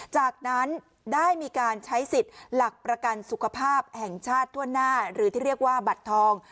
จากนั้นได้มีการใช้สิทธิ์หลักประกันสุขภาพแห่งชาติทั่วหน้าหรือที่เรียกว่าบัตรทอง